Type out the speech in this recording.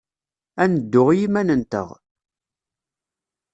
Ad neddu i yiman-nteɣ.